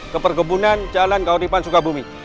ke perkebunan jalan kauripan sukabumi